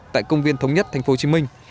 tại công viên thống nhất tp hcm